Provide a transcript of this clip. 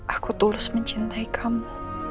aku tulus mencintai kamu